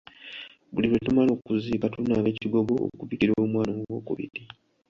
Buli lwe tumala okuziika tunaaba ekigogo okubikira omwana ow'okubiri.